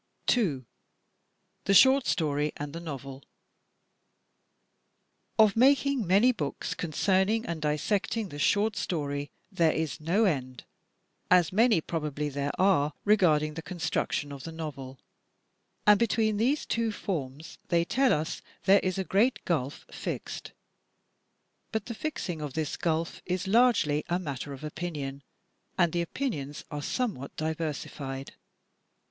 2. The Short Story and the Novel Of making many books concerning and dissecting the short story there is no end. As many probably there are regarding the construction of the novel; and between these two forms they tell us there is a great gulf fixed. But the fixing of this gulf is largely a matter of opinion, and the opinions are somewhat diversified.